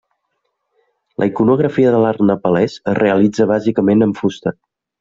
La iconografia de l'art nepalès es realitza bàsicament en fusta.